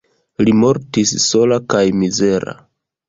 Li mortis sola kaj mizera.